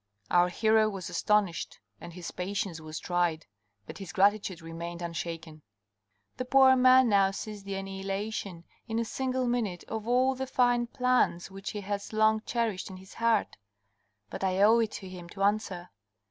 Our hero was astonished, and his patience was tried, but his gratitude remained unshaken. "The poor man now sees the annihilation, in a single minute, of all the fine plans which he has long cherished in his heart. But I owe it to him to answer.